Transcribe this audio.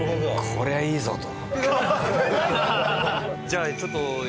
こりゃいいぞ！と。